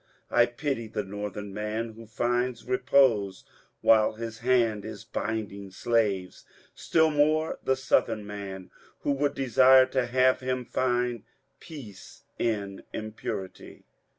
I pity the Northern man who finds repose while his hand is binding slaves ; still more the Southern man who would desire to have him find peace in impurity.